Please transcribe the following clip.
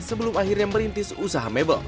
sebelum akhirnya merintis usaha mebel